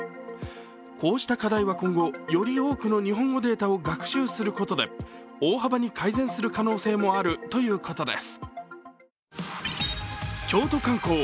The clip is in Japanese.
こうした課題は今後より多くの日本語データを学習することで大幅に改善する可能性もあるということです。